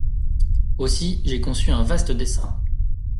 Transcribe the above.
Aussi, j’ai conçu un vaste dessein…